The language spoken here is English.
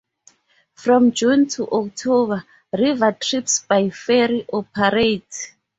From June to October river trips by ferry operate.